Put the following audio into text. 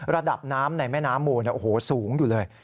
ระดับน้ำในแม่น้ำมูลโอ้โหสูงอยู่เลย